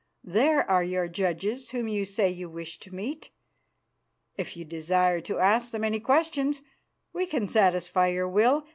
There are your judges whom you say you wish to meet. If you desire to ask them any questions, we can satisfy your will.